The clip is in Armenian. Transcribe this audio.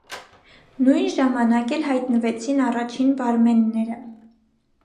Նույն ժամանակ էլ հայտնվեցին առաջին բարմենները։